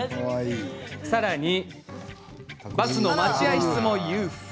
さらに、バスの待合室もＵＦＯ。